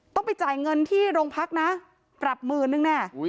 ต้องไปจ่ายเงินที่โรงพักนะปรับหมื่นนึงแน่